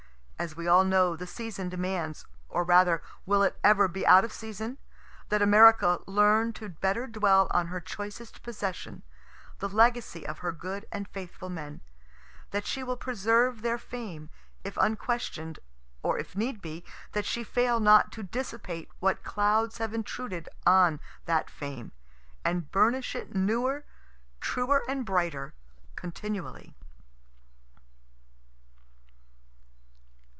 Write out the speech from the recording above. As we all know, the season demands or rather, will it ever be out of season? that America learn to better dwell on her choicest possession, the legacy of her good and faithful men that she well preserve their fame, if unquestion'd or, if need be, that she fail not to dissipate what clouds have intruded on that fame, and burnish it newer, truer and brighter, continually.